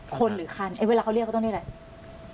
คนหรือคันเวลาเขาเรียกเขาต้องเรียกอะไร